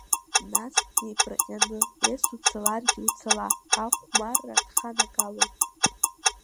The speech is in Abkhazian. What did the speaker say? Нас днеиԥырҟьаны, ес, уцаларгьы уцала ахәмарра дханагалон.